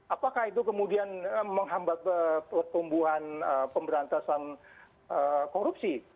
apakah itu kemudian menghambat pertumbuhan pemberantasan korupsi